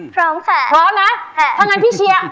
พร้อมค่ะพร้อมนะถ้างั้นพี่เชียร์